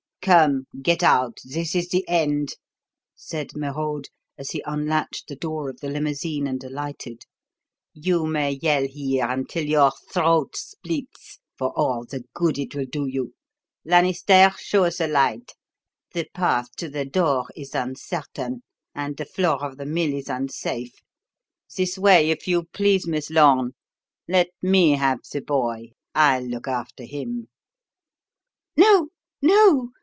"Come, get out this is the end," said Merode, as he unlatched the door of the limousine and alighted. "You may yell here until your throat splits, for all the good it will do you. Lanisterre, show us a light; the path to the door is uncertain, and the floor of the mill is unsafe. This way, if you please, Miss Lorne. Let me have the boy I'll look after him!" "No, no!